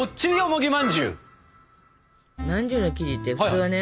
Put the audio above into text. まんじゅうの生地って普通はね